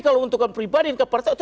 kalau untukkan pribadi ke partai itu